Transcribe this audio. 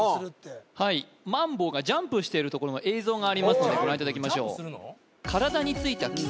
はいマンボウがジャンプしているところの映像がありますのでご覧いただきましょう